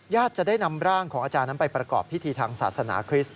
จะได้นำร่างของอาจารย์นั้นไปประกอบพิธีทางศาสนาคริสต